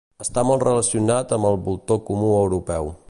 Està molt relacionat amb el voltor comú europeu.